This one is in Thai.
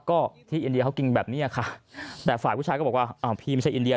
ก็ที่อินเดียเขากินแบบนี้ค่ะแต่ฝ่ายผู้ชายก็บอกว่าอ้าวพี่ไม่ใช่อินเดีย